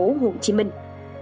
thành phố hồ chí minh